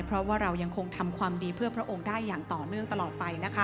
เพราะว่าเรายังคงทำความดีเพื่อพระองค์ได้อย่างต่อเนื่องตลอดไปนะคะ